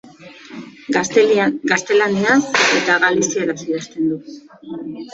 Gaztelaniaz eta galizieraz idazten du.